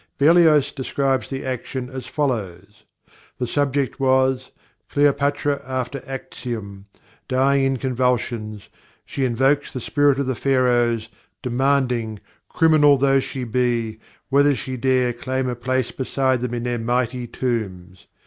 Berlioz describes the action as follows: "The subject was, Cleopatra after Actium; dying in convulsions, she invokes the spirit of the Pharaohs, demanding, criminal though she be, whether she dare claim a place beside them in their mighty tombs.